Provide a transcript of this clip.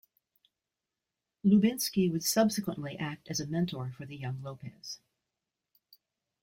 Lubinsky would subsequently act as a mentor for the young Lopez.